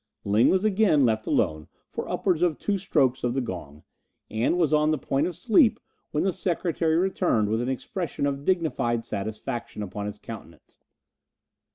Ling was again left alone for upwards of two strokes of the gong, and was on the point of sleep when the secretary returned with an expression of dignified satisfaction upon his countenance.